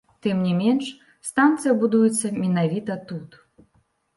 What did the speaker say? Тым не менш, станцыя будуецца менавіта тут.